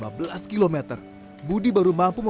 budi baru mampu memasangnya ke kampung ini